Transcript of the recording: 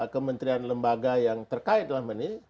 kementerian lembaga yang terkait dalam hal ini